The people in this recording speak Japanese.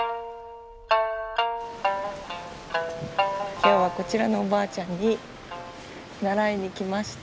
今日はこちらのおばあちゃんに習いに来ました。